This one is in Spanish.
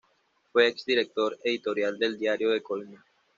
Fue exdirector editorial del Diario de Colima.